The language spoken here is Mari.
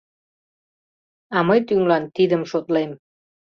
— А мый тӱҥлан тидым шотлем...